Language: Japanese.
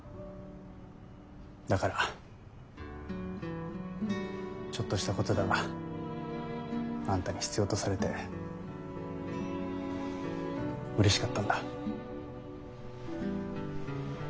だからちょっとしたことだがあんたに必要とされてうれしかったんだ。